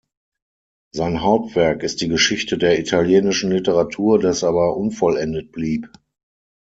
Sein Hauptwerk ist die „Geschichte der italienischen Literatur“, das aber unvollendet blieb.